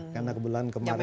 karena kebetulan kemarin